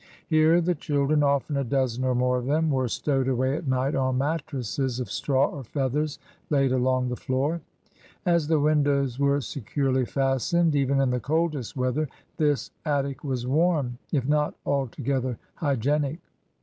Here the children, often a dozen or more of them, were stowed away at night on mattresses of straw or feathers laid along the floor. As the windows were securely fastened, even in the coldest weather this attic was warm, if not altogether hygienic.